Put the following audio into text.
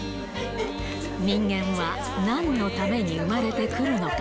人間はなんのために生まれてくるのか。